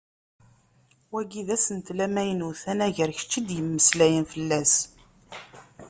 Wagi d asentel amaynut anagar kečč i d-yemmeslayen fell-as.